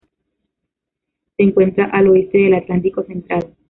Se encuentra al oeste del Atlántico central.